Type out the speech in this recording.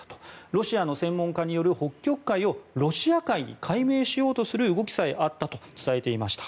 ロシアの専門家による北極海をロシア海に改名しようとする動きさえあったと伝えていました。